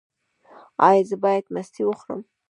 ایا زه باید مستې وخورم؟